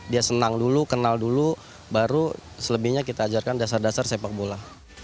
dia senang dulu kenal dulu baru selebihnya kita ajarkan dasar dasar sepak bola